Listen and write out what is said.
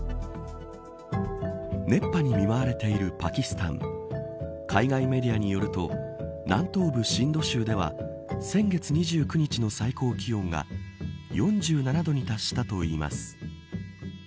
熱波に見舞われているパキスタン海外メディアによると南東部シンド州では先月２９日の最高気温が４７度に達したといいます。